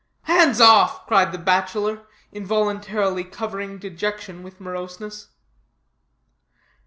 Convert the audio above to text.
"Hands off!" cried the bachelor, involuntarily covering dejection with moroseness.